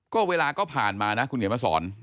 ก็เวลาก็ผ่านมานะคุณเขียนมาสอน